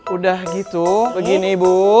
udah gitu begini ibu